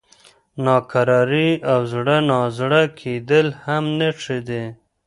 ناکراري او زړه نازړه کېدل هم نښې دي.